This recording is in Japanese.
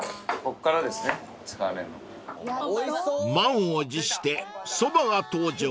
［満を持してそばが登場］